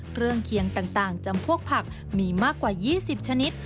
เครื่องเคียงต่างจำพวกผักมีมากกว่า๒๐ชนิด